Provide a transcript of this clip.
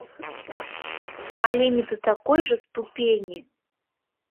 Але не да такой жа ступені!